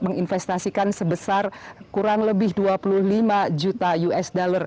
menginvestasikan sebesar kurang lebih dua puluh lima juta usd